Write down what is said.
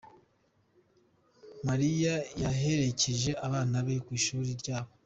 Mariya yaherekeje abana be kwishuri ryabo